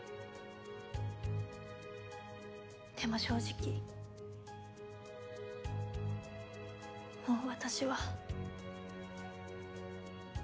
でも正直もう私は。